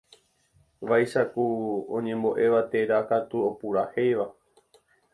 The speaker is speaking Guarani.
vaicháku oñembo'éva térã katu opurahéiva.